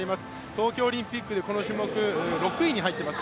東京オリンピックでこの種目、６位に入っています。